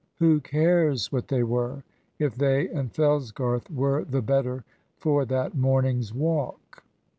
Who cares what they were, if they and Fellsgarth were the better for that morning's walk?